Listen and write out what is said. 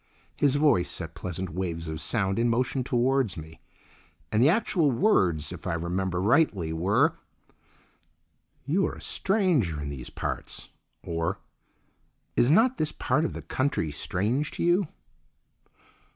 His voice set pleasant waves of sound in motion towards me, and the actual words, if I remember rightly, were— "You are a stranger in these parts?" or "Is not this part of the country strange to you?"